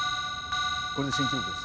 これで新記録です。